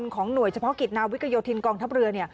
ของหน่วยเฉพาะกิจนาวิกโยธินกองทัพเรือ